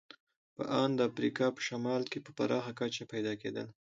په ان د افریقا په شمال کې په پراخه کچه پیدا کېدل.